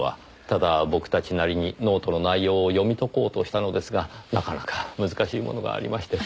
ただ僕たちなりにノートの内容を読み解こうとしたのですがなかなか難しいものがありまして。